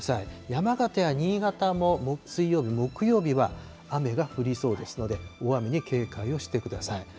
山形や新潟も、水曜日、木曜日は、雨が降りそうですので、大雨に警戒をしてください。